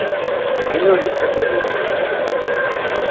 Win ur nettagad imal.